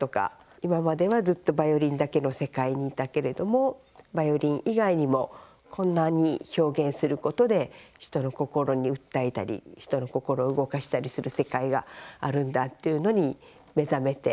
今までは、ずっとバイオリンだけの世界にいたけれどもバイオリン以外にも、こんなに表現することで人の心に訴えたり人の心を動かしたりする世界があるんだっていうのに目覚めて。